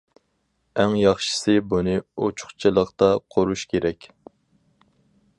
ئەڭ ياخشىسى بۇنى ئوچۇقچىلىقتا قورۇش كېرەك.